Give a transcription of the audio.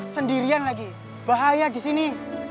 sendirian lagi bahaya disini